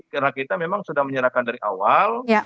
karena kita memang sudah menyerahkan dari awal